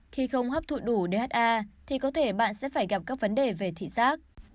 khi không hấp thụ đủ dha thì có thể bạn sẽ phải gặp các vấn đề về thị giác